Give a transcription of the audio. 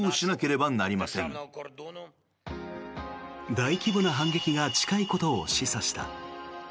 大規模な反撃が近いことを示唆した。